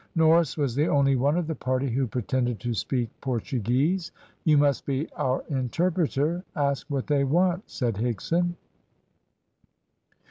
Norris was the only one of the party who pretended to speak Portuguese. "You must be our interpreter. Ask what they want," said Higson.